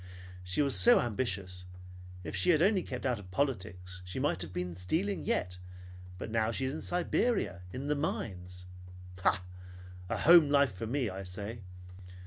She was so ambitious. If she had only kept out of politics, she might have been stealing yet. But now she is in Siberia, in the mines. Bah! A home life for me, I say!